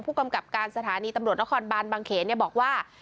กำกับการสถานีตำรวจนครบานบางเขนบอกว่า